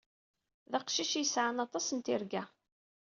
D aqcic ay yesɛan aṭas n tirga.